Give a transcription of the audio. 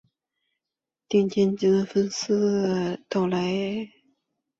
顶尖四分卫的到来让猎鹰队再次强势回归。